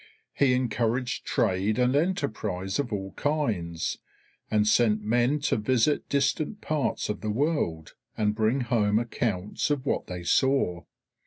He encouraged trade and enterprise of all kinds, and sent men to visit distant parts of the world, and bring home accounts of what they saw.